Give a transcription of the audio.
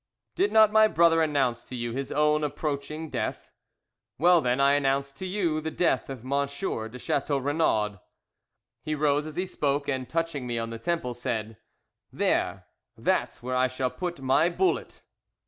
"Did not my brother announce to you his own approaching death? Well, then, I announce to you the death of M. de Chateau Renaud." He rose as he spoke, and touching me on the temple, said "There, that's where I shall put my bullet."